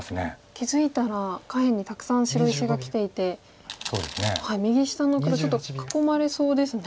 気付いたら下辺にたくさん白石がきていて右下の黒ちょっと囲まれそうですね。